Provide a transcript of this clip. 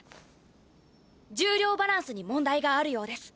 重りょうバランスに問題があるようです。